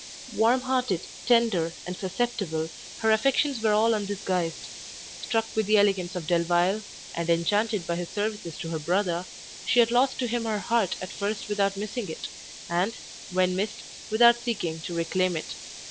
Warm hearted, tender, and susceptible, her affections were all undisguised: struck with the elegance of Delvile, and enchanted by his services to her brother, she had lost to him her heart at first without missing it, and, when missed, without seeking to reclaim it.